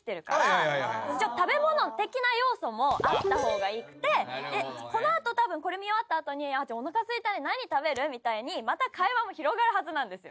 食べ物的な要素もあった方がいいくてでこの後多分これ見終わった後にちょっとお腹空いたね何食べる？みたいにまた会話も広がるはずなんですよ。